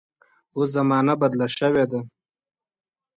اوس زمانه بدله شوې ده.